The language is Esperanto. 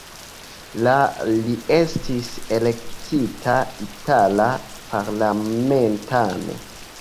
La li estis elektita itala parlamentano.